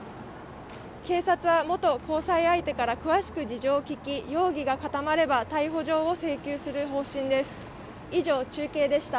警察は元交際相手から詳しく事情を聴き、容疑が固まれば、逮捕状を請求する方針です。